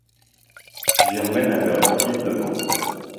Germaine avait alors dix-neuf ans.